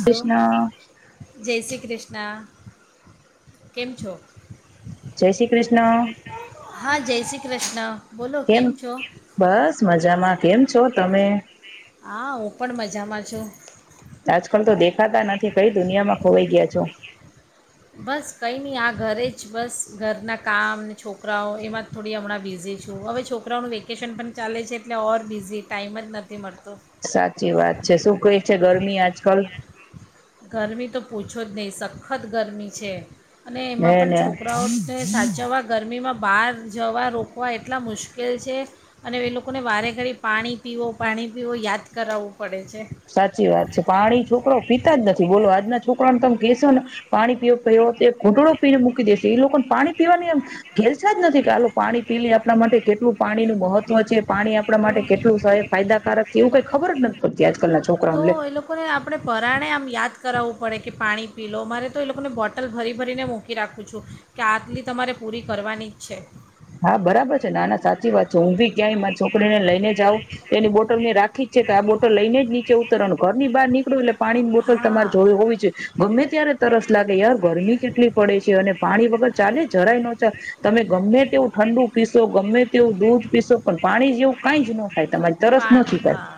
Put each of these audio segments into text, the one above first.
Hello Krishna જય શ્રી કૃષ્ણ. કેમ છો? જય શ્રી કૃષ્ણ. હા જય શ્રી કૃષ્ણ બોલો કેમ છો બસ મજામાં કેમ છો તમે? હા હું પણ મજામાં છું આજકાલ તો દેખાતા નથી. થી કઈ દુનિયામાં ખોવાઈ ગયા છો? બસ કંઈ નહીં આ ઘરે જ બસ ઘરનાં કામ છોકરાઓ એમાં જ થોડી હમણાં બિઝી છું, હવે છોકરાઓનું વેકેશન પણ ચાલે છે એટલે ઓર બિઝી ટાઈમ જ નથી મળ સાચી વાત છે શું કઈ છે ગરમી આજકાલ. ગરમી તો પૂછો જ નહીં સખત. ગરમી છે. અને હે એમાં પણ ને છોકરાઓ સાચાવા ગરમીમાં બહાર જવા રોકવા એટલા મુશ્કેલ છે અને એ લોકોને વારે ઘડી પાણી પીવો પાણી પીવો યાદ કરાવવું પડે છે. સાચી વાત છે પાણી છોકરો પીતા જ નથી બોલો, આજના છોકરાને તમે કેસો ને પાણી પીવ પ તે ઘોંટડો પીને મૂકી દેશે એ લોકોને પાણી પીવાની એમ. ઘેલસા જ નથી કાલું પાણી પેલી આપણા માટે કેટલું પાણી નું મહત્વ છે. પાણી આપણા માટે તો કેટલું ફાયદાકારક. એવું કંઈ ખબર નથી પતી્યા. તો એ લોકોને આપણે પરાણે આમ યાદ કરાવવું પડે કે પાણી પી લો મારે તો એ લોકોને બોટલ ભરી ભરીને મૂકી રાખું છું, કે આટલી તમારે પૂરી કરવાની જ છે. હા બરાબર છે નાના સાચી વાત છે હું બી. ક્યાંય છોકરી ને લઈને જાવ તેની બોટલ મેં રાખી. છે કે આ બોટો લઈને જ નીચે ઉતરણરની બાર નીકળું એટલે પાણીની બોટલ હા તમારે જો હોવી છે ગમે ત્યારે તરસ લાગે યાર. ગરમી કેટલી પડે છે અને પાણી વગર ચાલે જ જરાય ન ચાલ, તમે ગમે તેવું ઠંડુ પીશો, ગમે તેવું દૂધ પીશો, પણ પાણી જેવું કાઈ જ ન થાય તમારી તરસ ન પાની હા છુપાય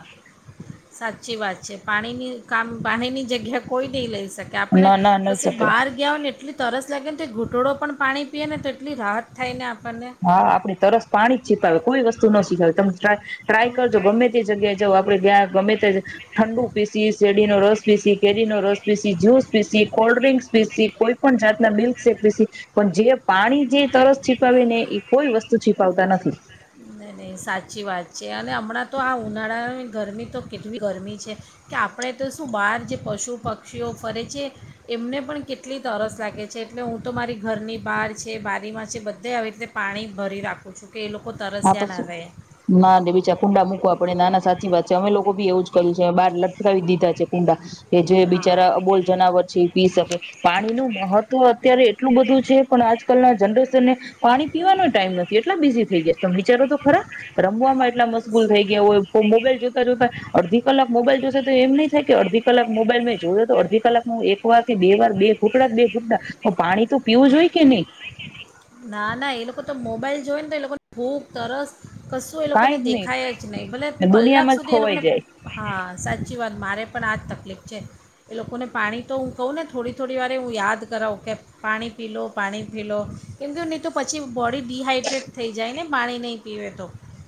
સાચી વાત છે. પાણીની કામ પાણીની જગ્યા કોઈ નહીં લઈશ કે આપણને ના ના નહી કશે શકે બહાર ગયા હો ને એટલે તરસ લાગે તે ઘૂંટડો પણ પાણી પીએ ને તો એટલી રાહત થાયને આપ હા આપણી તરસ પાણી છી [unintelligible] કોઈ વસ્તુ ન શીખાવે તમ ટ્રા ટ્રાય તો કરજો ગમે તે જગ્યાએ જઓ આપડે ગ્યાં ગમે તે, ઠંડુ પીસી શેરડી નો રસ પીસી, કેરી નો રસ પીસી, જ્યુસ પીસી, કોલ્ડ્રિંકસ પીસી, કોઈ પણ જાતના મિલ્કશેેક પીસી પણ જે પાણી જીતરસ છીપાવી ને કોઈ વસ્તુ છી નહી-નહી સાચી વાત છે. અને હમણાં તો આ ઉનાળાની ગરમી તો કેટલી ગરમી છે, કે આપણે તો શું બહાર જે પશુ પક્ષીઓ ફરે છે, એમને પણ કેટલી તરસ લાગે છે, એટલે હું તો મારી ઘરની બહાર છે, બારીમાં છે બધા આવી રીતે પાણી ભરી રાખું. [unintelligible] હા તો તરસ્યા ના શું, રહે ના ડેબી ચક કુંડા મૂકવા પડે. ના-ના સાચી વાત છે અમે લોકો બી એવું જ કરી છી બાર લટકાવી દીધા છે કુંડા, કે જો હા બિચારા અબોલ જનાવર છે એ પી શકે. પાણી નું મહત્વ અત્યારે એટલું બધું છે પણ આજકાલ ના જનરેશનને પાણી પીવાનો એય ટાઈમ નથી એટલા બીઝી થઈ ગયા. તો વિચારો તો ખરા, રમવામાં એટલા મશગૂલ થઈ ગયા હોય, મોબાઈલ જોતા જોતા અડધી કલાક મોબાઈલ જોશે તો એમ નહીં થાય કે અડધી કલાક મોબાઈલ મેં જોયો તો અડધી કલાક હું એક વારથી બે વાર બે ઘુંટડા જ બે [unintelligible] તો પાણી તો પીવું જોઈ કે નહી. ના, ના એ લોકો તો મોબાઈલ જોવે ને તો એ લોકોને ભૂખ, તરસ કશું એ લોકોને કાઈ જ નહી દેખાય જ નહીં. ભલે કલાક દુનિયામાં જ સુધી એ ખોવાઈ લોકોને, જાય હા સાચી વાત મારે પણ આ જ તકલીફ. છે. એ લોકોને પાણી તો હું કહું ને થોડી થોડી વારે હું યાદ કરાવું કે પાણી પી લો, પાણી પી લો. નહીં તો-નહીં તો પછી બોડી ડી હાઈડ્રેટ થઈ જાય ને પાણી નહીં પીવે તો.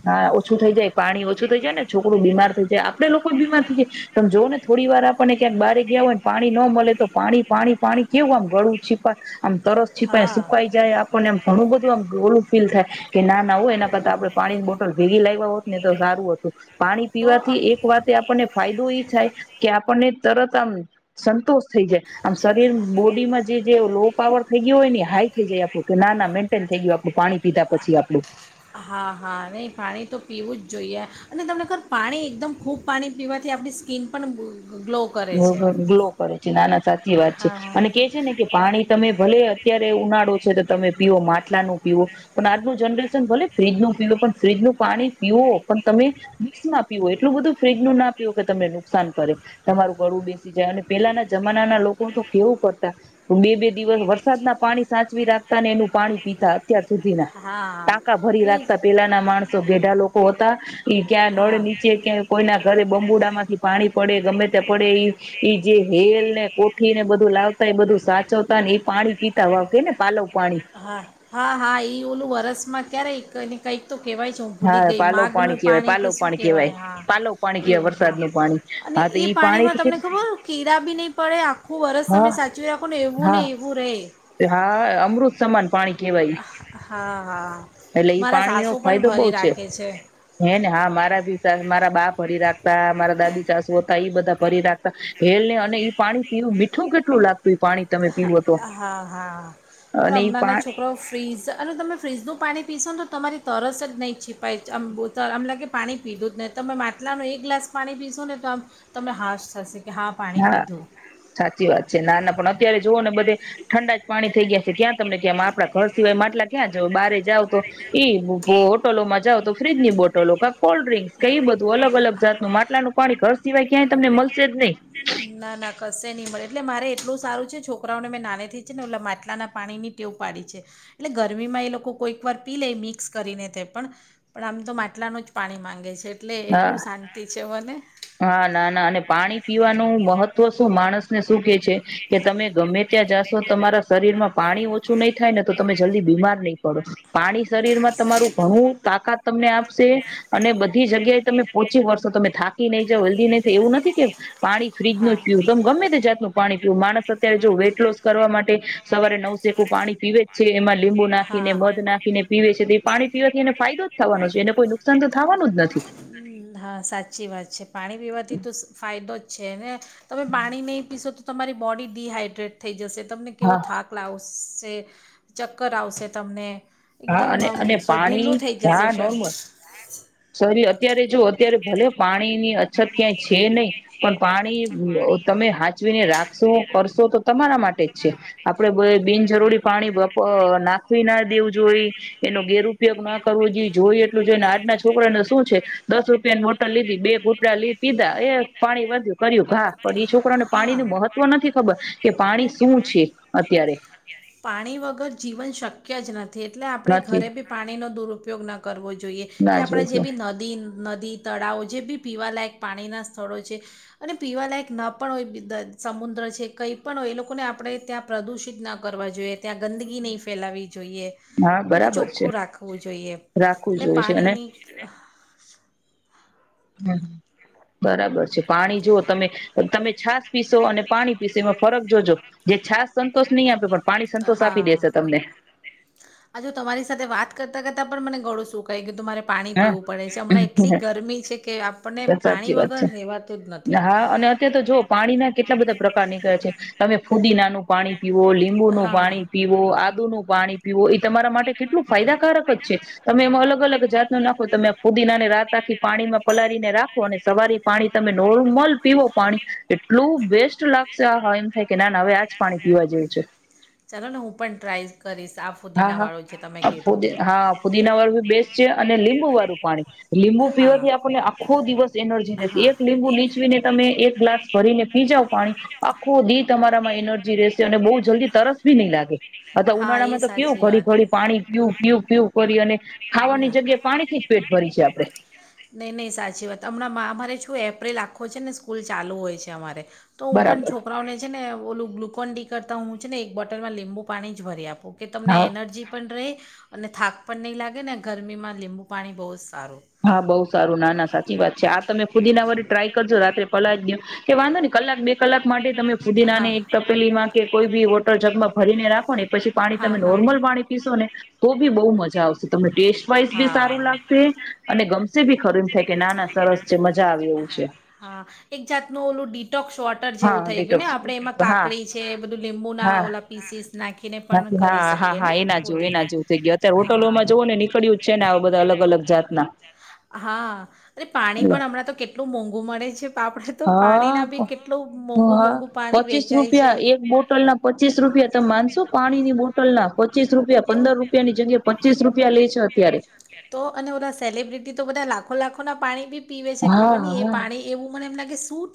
હા ઓછું થઈ જાય. પાણી ઓછું થઈ જાય ને છોકરું બીમાર થ [unintelligible] આપડે લોકો એય બીમાર થઈ જાય. તમે જોઓ ને થોડી વાર આપણને ક્યાંક બહારે ગયા હોય ને પાણી ન મલે તો, પાણી-પાણી-પાણી કેવું આમ ગળું છીપા આમ તરસથી હા છીપાઈ સુકાઈ જાય, આપણને આમ ઘણું બધું આમ ગોળું ફીલ થાય. કે ના, ના હો એના કરતા આપડે પણ ભેગી લાયવા હોત ને તો સારું હતું. પાણી તો અ, પીવાથી એક વાત આપણને ફાયદો ઈ થાય કે આપ પણ એ તરત આમ સંતોષ થઈ જાય આમ શરીર બોડીમાં જે જે લો પાવર થઈ ગયો હોય ને હાઈ થઈ જાય આપું કે ના ના મેન્ટેન થઈ ગયું આપણું પાણી પીધા પછી આપડું. હા હા નહીં પાણી તો પીવું જ જોઈએ અને તમને ખર પાણી એકદમ ખૂબ પાણી પીવાથી આપણી સ્કીન પણ ગ્લો કરે છે ગ્લો કરે છે. નાના સાચી વાત છે હા હા અને તો કે છે ને કે પાણી તમે ભલે અત્યારે ઉનાળો છે તો તમે પીઓ માટલાનું પીવો પણ આજનું જનરેશન ભલે ફ્રીજનું પીઓ પણ ફ્રીજનું પાણી પીવો પણ તમે મિક્સમાં પીઓ એટલું બધું ફ્રીજનું ના પીવ કે તમને નુકસાન કરે. તમારું ગળું બેસી જાય અને પેલાના જમાના ના લોકો તો કેવું કરતા બે બે દિવસ વરસાદ ના પાણી સાચવી રાખતા ને એનું પાણી પીતા. અત્યાર સુધીના હા ટાંકા ભરી એ રાખતા પેલાના માણસો ઘેઢા લોકો હતા ઈ ક્યાં નળ હા નીચે ક્યાંય કોઈના ઘરે બબુડામાંથી પાણી પડે ગમે પડે એ જે હેલ ને કોઠી ને બધું લાવતા એ બધું સાચવતા ને એ પાણી પીતા વાવ કે ને પાલવ પાણી. હા હા હા એ ઓલું વરસમાં ક્યારેય કંઈક તો કેવાય છે હું ભૂલી હા ગઈ પાલવ માગ નું કેવાય પાણી કે પાલવ શું કેવાય કેહેવાય. હા, પાલવ પાણી કેવાય એવુ હા વરસાદનું પાણી અને હા તો એ ઈ પાણી પાણીમાં કે તમને ખબર કીડા બી નહી પડે આખું વરસ હા તમે સાચવી રાખો ને એવું ને હા એવું રહે. હા અમૃત સમાન પાણી. કેવાય. હા હા એટલે ઈ મારા પાણી નો સાસુ પણ ફાયદો બવ ભરી છે રાખે હે ને હા મારા ભી મારા બા ભરી રાખતા મારા દાદી સાસુ હતા ઈ બધા ભરી રાખતા. હેલ ને અને ઈ પાણી પીવું મીઠું કેટલું લાગત પાણી તમે પીવું તો. હા હા, પણ અને ઈ હમણાં પા છોકરા ફ્રીઝ અને તમે ફ્રીઝનું પાણી પીશોને તમારી તરસ જ નહીં છીપાય. આમ આમ લાગે પાણી પીધું જ નહીં તમે માટલાનું એક ગ્લાસ પાણી પીશો ને તો આમ તમને હાશ થશે. કે પાણી હા પીધું સાચી વાત છે ના ના પણ અત્યારે જો જુઓ ને બધે ઠંડા જ પાણી થઈ ગયા છે ક્યાં તમને કેમ આપડા ઘર સિવાય માટલા ક્યાં જોવ બારે જાવ તો ઈ હોટલોમાં જાવ તો ફ્રીજ ની બોટલો કા કોલ્ડ્ર્રીંક્સ કે એ બધું અલગ અલગ જાતનું માટલાનું પાણી ક સિવા કયાય તમને મળ સિડની. ના ના કશે નહી મળે એટલે મારે એટલું સારું છે છોકરાઓને મેં નાનેથી છે ને એટલે માટલાના પાણી ની ટેવું પાડી છે. એટલે ગરમીમાં એ લોકો કોઈક વાર પી લે મિક્સ કરીને તે પણ પણ આમ તો માટલાનું જ પાણી માંગે છે. એટલે હા, એટલું શાંતિ છે મને હા ના ના અને પાણી પીવાનું નું મહત્વ શું માણસ ને શું એ છે કે તમે ગમે ત્યાં જાશો તમારા શરીર માં પાણી ઓછું નહી થાય ને તો તમે જલ્દી બીમાર નહી પડો. પાણી શરીર માં તમારું ઘણું તાકાત તમને આપશે. અને બધી જગ્યા તમે પોહોચી વશો તમે થાકી નઈ જઓ હલ્દી નહીંઈ એવું નથી. [unintelligible] પાણી ફ્રીજ ન જ હા. પીવું તમે ગમે તે જાતનું પાણી પીવું માણસ અત્યારે જો વેઇટ લોસ કરવા માટે સવારે નવ સેકું પાણી પીવે જ છે એમાં લીંબુ હા. નાખીને મધ નાખીને પીવે છે તે પાણી પીવાથી એને ફાયદો જ થવાનો છે એને કોઈ નુકસાન તો થવાનું જ નથી. હા સાચી વાત છે. પાણી પીવાથી તો ફાયદો છેને. તમે પાણી નહી પીસો તમારી બોડી ડિહાાઈડ્રેટ થઈ જશે. તમને કેવો હા થાક લાવો. આવશે ચક્કર આવશે તમને. હા એકદમ અને આમ અને સર પાણી ઢીલું થઇ જશે સર. શરી અત્યારે જો અત્યારે ભલે પાણીની અછત ક્યાંય છે નહી પણ પાણી તમે હાચવીને રાખશો કરશો તો તમારા માટે જ છે આપડે બિનજરૂરી પાણી નાખવી ના દેવું જોઈ એનો ગેરપયોગ ના કરવો જોઈ જોએ એટલું જોઈ ને આજના જ છોકરાને શું છે દસ રૂપિયાની મોટલ લીધી બે ગુટડા લી પીધા એ પાણી વા્યું કર્યું ઘા પણ છોકરાને પાણી ન મહત્વ નથી ખબર કે તો પાણી શું છે અત્યારે. પાણી વગર જીવન શક્ય જ નથી. એટલે આપણે નથી ઘરે બી પાણીનોો દુર ઉપયોગ ના કરવો. જોઈએ કે ના આપણે જે જોઈતો બી નદી નદી તળાવો જે બી પીવાલાયક પાણીના સ્થળો છે અને પીવાલાયક ન પણ હોય સમુદ્ર છે કંઈ પણ હોય એ લોકોને આપણે ત્યાં પ્રદૂષિત ના કરવા જોઈએ. જોઈએ ત્યાં ગંદગી નહીં ફેલાવી. જોઈએ હા એ બધું બરાબર છે ચોખ્ખું રાખવું જોઈએ રાખવું એટલે જોઈએ છે અને પાણીની બરાબર છે પાણી જુઓ તમે તમે છાસ પીશો અને પાણી પીસેો એમાં ફરક જોજો જે છાસ સંતોષ નહીં આપે પણ પાણી સંતોષ હા આપી દેશે તમને આ જો તમારી સાથે વાત કરતા કરતા પણ મને ગળું શું કાય કે તમારે હા છે કે આપણને પાણી સાચી વાત વગર છે રહેવાતું જ નથી. હા અને અત તો જોઓ પાણીના કેટલા બધા પ્રકાર નીકળે છે. તમે ફુદીનાનું પાણી પીવો લીંબુનું હા. પાણી પીવો આ આદુ નું પાણી પીવું એ તમારા માટે કેટલું ફાયદાકારક જ છે તમે એમાં અલગ અલગ જાત નાખો તમે ફુદીનાને રાત આખી પાણીમાં પલાળારીને રાખો અને સવારી પાણી તમે નોર્મલ પીવો પાણી. એટલું બેસ્ટ લાગશે આહા એમ થાય કે ના ના હવે આજ પાણી પીવા જેવું છે. ચાલો ને હું પણ ટ્રાય કરીશ આ હા ફુદીના વાળું જે તમે હા કીધું ફુદી તે. હા પુદીના વાળું બેસ્ટ છે અને લીંબુ વાળું પાણી હ લીંબુ હા પીવાથી આપને આખો દિવસ એનર્જી હા એક લીંબુ એ નીચવીને તમે એક ગ્લાસ ભરીને પી જાવ પાણી આખું દિ તમારે તમારે એનર્જી રહેશે અને બહુ જલ્દી તરસ બી નહી લાગે હા એ સાચ ખોડી ખોડી પાણી પીવુ પીવું પીવું કરીઓ અને ખાવાની જગ્યા પાણી થી જ પેટ ભરી છે આપડે નહી નહી સાચી વાત હમણાં મા અમારે શું એપ્રિલ આખો છે ને સ્કૂલ ચાલુ હોય છે અમારે તો હું પણ બરાબર છોકરાઓને છે ને બોલું ગ્લુકોન ડી કરતા હું છે ને એક બોટલમાં લીંબુ પાણી જ ભરી આપું. ઓકે તમને હા એનર્જી પણ રહે અને થાક પણ નહીં લાગે ને ગરમી માં લીંબુ પાણી બહુ જ સારું હા બઉ સારું ના ના સારુ સાચી વાત છે આ તમે પુદીના વાર ટ્રાય કરજો રાત્રે પલાણ દી કે વાંધો ને કલાક બે કલાક માટે તમે ફુદીનાને હા એક તપેલીમાં કે કોઈ બી વોટર જગમાં ભરીને રાખો ને પછી પાણી હા તમે હા નોર્મલ પાણી પીશો ને તો બી બઉુ મજા આવશે તમને ટેસ્ટ વાઈઝ બી સારું હા. લાગશે અને ગમશે ભી ખરું એમ થાય કે નાના સરસ છે મજા આવી એવું છે. હા એક જાતનું ઓલું ડિટોક્સ વોટર જેવું હા થઈ ગયુંને ડિટોક્સ આપ એમાં હા કાકડી છે બધું લીંબુ ના હા ઓ પીસીસ નાખીને પણ બાકી કરી હા હા શકીએ હા ને એના જેવું એના પુદીના જેવું થઈ ગયું અત્યારે હ હોટલોમાં જવો ને નીકળ્યું જ છે ને આ બધા અલગ અલગ જાતના હા અને પાણી પણ હમણાં તો કેટલું મોંઘુ મળે છે આપણે તો હા પાણીના બી કેટલું મોંઘું હા મોંઘું પાણી પચીસ વેચાય છે રૂપિયા એક બોટલ ના પચીસ રૂપિયા ત માનસો પાણીની બોટલ ના પચીસ રૂપિયા તો પંદર રૂપિયાની જગ્યા પચીસ રૂપિયા લે છે અત્યારે તો અને ઓધ સેલિબ્રિટી તો બધા લાખો લાખો ના પાણી બી પીવે છે હા ખબર ને એ હા પાણી એવું મને એમ લાગ સૂટ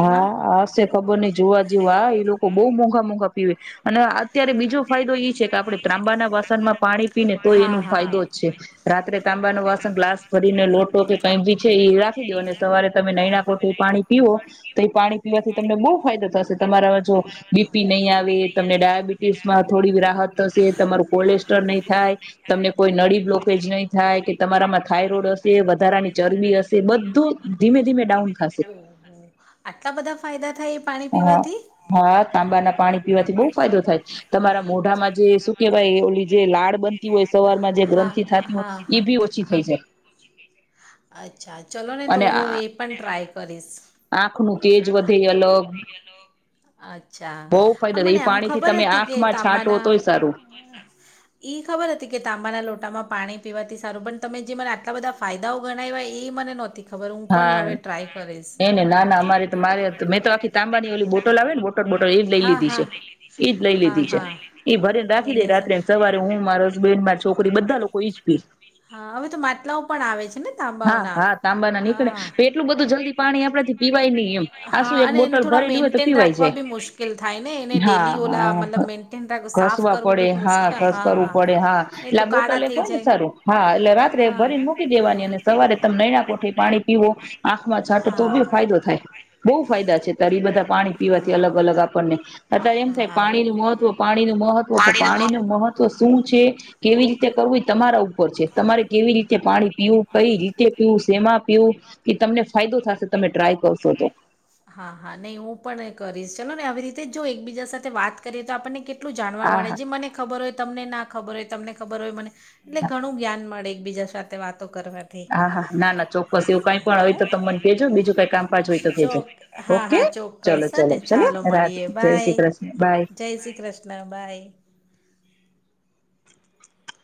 હા હશે ખબર નઈ જોવા જેવ આ એ લોકો બહ મોઘ મોંઘા મોંઘા પીવે અને અત્યારે બીજો ફાયદો એ છે. આપણે તાંબાના વાસણમાં પાણી પીને તો હા એનો હા ફાયદો જ છે, રાત્રે તાંબા ન વાસણ ગ્લાસ ભરીને લોટો કે કઈ ભી છે એ રાખી દો અને સવારે તમે નયના કોઠ પાણી પીવો તો એ પાણી પીવાથી તમને બહુ ફાયદો થશે તમારામાં જો, બીપી નહીં આવે તમને ડાયાબિટીસ માં થોડી રાહત. થશે તમારું કોલેસ્ટ્રોલ નહી થાય, તમને કોઈ નળી બ્લોકેજ નહી થાય, કે તમારામાં થાયરોઈડ હશે વધારાની ચરબી હશે બધું ધીમે ધીમે ડાઉન થશે. આટલા બધા ફાયદા. થાય એ પાણી હા પીવાથી હા તાંબાના પાણી પીવાથી બહુ ફાયદો થાય તમારા મોઢામાં જે શું કેવાય ઓલી જે લાળ બનતી હોય સવારમાં જે હા ગ્રંથિ થતી હોય હા એ બી ઓછી હા થઈ જાય અચ્છા ચલો ને તો હું એ પણ ટ્રાય. કરીસ. આંખ નું તેજ વધે અલગ અચ્છા બઉ હા ફાયદા થઈ એ પાણી થી તમે આંખમાં છાંટો તોય. સારું ઈ ખબર હતી કે તાંબાના લોટામાં પાણી. પીવાથી સારું પણ તમે જે મને આટલા બધા ફાયદાઓ ગણાવ્યા એ મને નહોતી. ખબર હું પણ હા હવે ટ્રાય કરીશ એ ને ના ના અમારે તો મારે મેં તો આખી તાંબાની ઓલી બોટલ આવે ને બોટર બોટલ એજ લઈ હા લીધી છે હા એજ લઈ હા લીધી છે. હા એ ભરે ને રાખી નહીં દે નહીં સર રાત્રે સવારે હું મારા હબ છોકરી બધા લોકો ઈ જ પી. હા હવે તો માટલાઓ પણ આવે છે ને હા તાંબાઓના. હા તાંબાના હા તો એટલું બધું જલ્દી પાણી આપડેથી પીવાય નહી. આ હા શું એક અને એને બોટલ થોડા ભરેલી હોય તો મેન્ટેન પીવાઈ રાખવા જાય બી મુશ્કેલ થાય ને એને હા ડેલી ઓલા મતલબ હ મેન્ટેન રાખ સાફ ઘસવા કરવું પડે બી હા મુશ્કેલ ઘસ કરવું હા પડે, હા નહી એટલે તો આ કાળા બોટલ એક થઈ હોય ને જાય સારું, હા એટલે રાત્રે હા ભરીને મૂકી દેવાની સવારે તમ ન પાણી [inaudible] પીવો આંખમાં છાટો તો હા બી ફાયદો થાય. બ [inaudible] ફાયદા છે. ત્યારે એ બધા પાણી પીવાથી હા અલગ અલગ આપણને અત્યારે એમ થાય હા ઓ- પાણીનું મહત્વ પાણીનું મહત્વ પાણી નુ મહત્વશુ, શું છે. કેવી રીતે કરવું તમારાં ઉપર છે તમારે કેવી રીતે, પાણી પીવું કઈ રીતે પીવું. સેમા પીવું, કે તમને ફાયદો થશે તમે ટ્રાય કરશો તો, હા હા નહી હું પણ કરીશ ચાલો ને આવી રીતે જો એકબીજા સાથે વાત કરીએ તો આપણને કેટલાં, એટલું જાણવા આ મળે હા જે મને ખબર હોય તમને ના ખબર હોય, તમને ખબર હોય મને. એટલે ઘણું જ્ઞાન મળે બીજા સાથે વાત. હા હા ના ના ચોક્કસ એવું કઈ પણ હા, હોય તો તમને કહેજો બીજું કઈ કામકાજ હોય તો કેજો. ચોક હા ઓકે હા ચોક્કસ ચલો હા ચલો ને ચલે ચાલો રાધે મળીએ જય બાય શ્રી કૃષ્ણ બાય જય શ્રી કૃષ્ણ બાય. [inaudible]